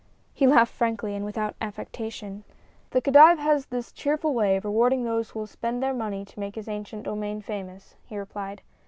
He laughed frankly and without affectation. "The Khedive has this cheerful way of rewarding those who will spend their money to make his ancient domain famous," he replied.